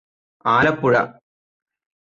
Alappuzha